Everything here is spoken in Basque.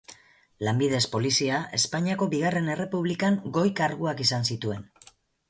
Lanbidez polizia, Espainiako Bigarren Errepublikan goi karguak izan zituen.